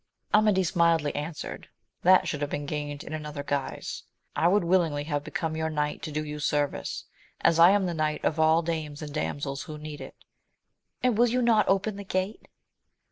Amadis mildly answered, that should have been gained in another guise : I would willingly have become your knight to do you service, as I am the knight of all dames and damsels who need it. — And will you not open the gate